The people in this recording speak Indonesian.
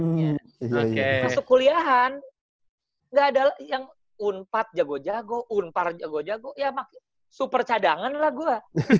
masuk kuliahan gak ada yang unpad jago jago unpar jago jago ya makin super cadangan lah gue